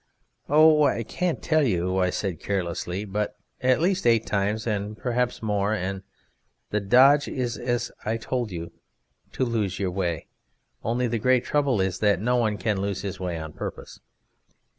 "Oh I can't tell you," I said carelessly, "but at least eight times, and perhaps more, and the dodge is, as I told you, to lose your way; only the great trouble is that no one can lose his way on purpose.